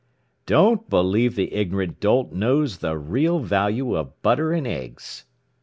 "... don't believe the ignorant dolt knows the real value of butter and eggs."